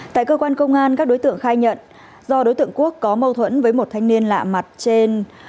tại cơ quan công an các đối tượng khai nhận do đối tượng quốc có mâu thuẫn với một thanh niên lạ mặt trên